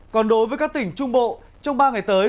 còn đối với các tỉnh trung bộ trong ba ngày tới